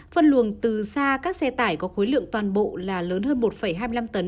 phân luồng từ xa các xe tải có khối lượng toàn bộ là lớn hơn một hai mươi năm tấn